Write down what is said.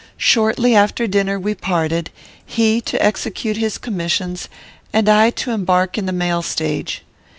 Shortly after dinner we parted; he to execute his commissions, and I to embark in the mail stage.